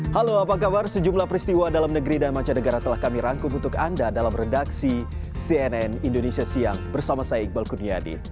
halo apa kabar sejumlah peristiwa dalam negeri dan mancanegara telah kami rangkum untuk anda dalam redaksi cnn indonesia siang bersama saya iqbal kuniadi